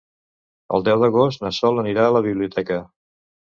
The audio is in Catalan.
El deu d'agost na Sol anirà a la biblioteca.